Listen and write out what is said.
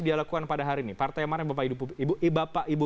dia lakukan pada hari ini partai mana bapak ibu